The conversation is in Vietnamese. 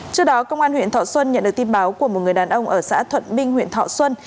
trước đó công an huyện thọ xuân nhận được tin báo của một người đàn ông ở xã thuận minh huyện thọ xuân